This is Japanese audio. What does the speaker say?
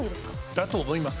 だと思います。